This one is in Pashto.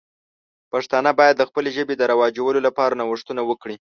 پښتانه باید د خپلې ژبې د رواجولو لپاره نوښتونه وکړي.